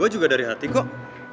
gue juga dari hati kok